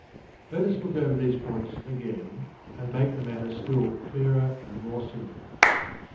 Let us look over these points again, and make the matter still clearer and more simple.